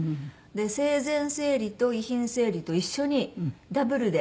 生前整理と遺品整理と一緒にダブルで。